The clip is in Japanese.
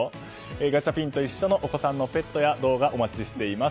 ガチャピンと一緒のお子さんやペットの動画お待ちしています。